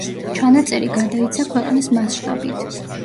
ჩანაწერი გადაიცა ქვეყნის მასშტაბით.